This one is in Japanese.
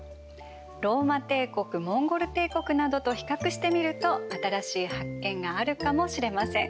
ローマ帝国モンゴル帝国などと比較してみると新しい発見があるかもしれません。